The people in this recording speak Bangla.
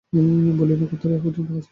বলিয়া নক্ষত্ররায় অত্যন্ত হাসিতে লাগিলেন।